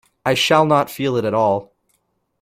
I shall not feel it at all.